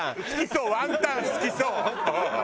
ワンタン好きそう！